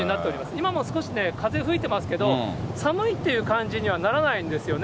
今も少し風吹いてますけど、寒いっていう感じにはならないんですよね。